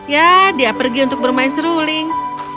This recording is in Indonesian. ya dia pergi untuk bermain seruling